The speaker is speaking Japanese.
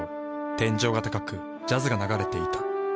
天井が高くジャズが流れていた。